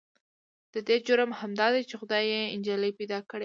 د دې جرم همدا دی چې خدای يې نجلې پيدا کړې.